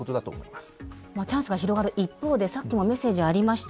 まあチャンスが広がる一方でさっきもメッセージありました。